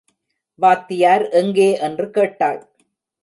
வாத்தியார் எங்கே? என்று கேட்டாள்.